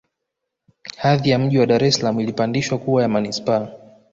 Hadhi ya Mji wa Dar es Salaam ilipandishwa kuwa ya Manispaa